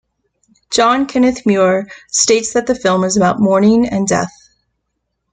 John Kenneth Muir states that the film is about mourning and death.